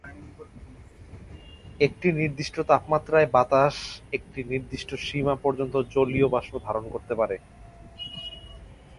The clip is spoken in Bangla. একটি নির্দিষ্ট তাপমাত্রায় বাতাস একটি নির্দিষ্ট সীমা পর্যন্ত জলীয় বাষ্প ধারণ করতে পারে।